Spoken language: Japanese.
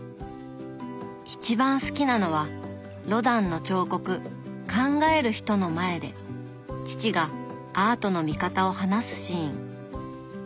一番好きなのはロダンの彫刻「考える人」の前で父がアートの見方を話すシーン。